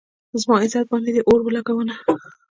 زما عزت باندې دې اور ولږاونه